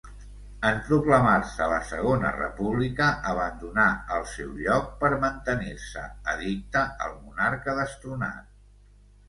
En proclamar-se la segona República abandonà el seu lloc, per mantenir-se addicte al monarca destronat.